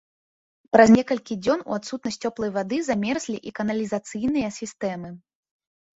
Праз некалькі дзён у адсутнасць цёплай вады замерзлі і каналізацыйныя сістэмы.